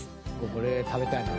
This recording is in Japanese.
「これ食べたいな」